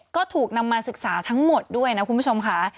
ก็ถูกนำมาศึกษาทั้งหมดด้วยนะคุณผู้ชมค่ะ